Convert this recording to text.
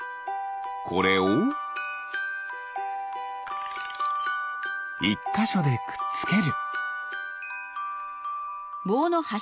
これを１かしょでくっつける。